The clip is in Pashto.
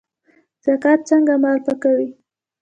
زکات څنګه مال پاکوي؟